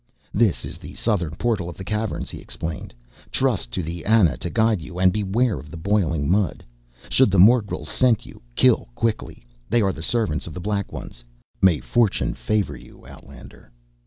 "This is the southern portal of the Caverns," he explained. "Trust to the Ana to guide you and beware of the boiling mud. Should the morgels scent you, kill quickly, they are the servants of the Black Ones. May fortune favor you, outlander."